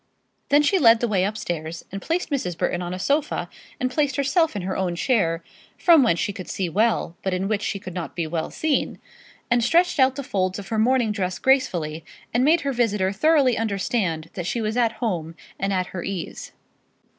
Then she led the way upstairs, and placed Mrs. Burton on a sofa, and placed herself in her own chair, from whence she could see well, but in which she could not be well seen, and stretched out the folds of her morning dress gracefully, and made her visitor thoroughly understand that she was at home and at her ease.